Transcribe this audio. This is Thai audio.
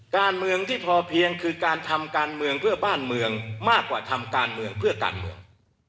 การเมืองที่พอเพียงคือการทำการเมืองเพื่อบ้านเมืองมากกว่าทำการเมืองเพื่อการเมือง